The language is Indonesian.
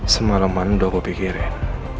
semalam mana udah aku pikirin